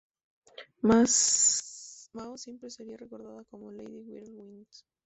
Mao siempre sería recordada como Lady Whirlwind.